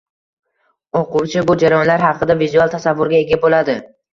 O‘quvchi bu jarayonlar haqida vizual tasavvurga ega bo‘ladi.